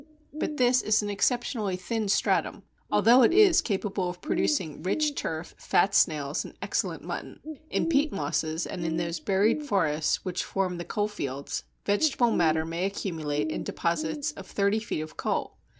But this is an exceptionally thin stratum, although it is capable of producing rich turf, fat snails, and excellent mutton. In peat mosses and in those buried forests which form the coalfields, vegetable matter may accumulate in deposits of thirty feet of coal.